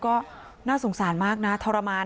ก็น่าสุขสารมากนะ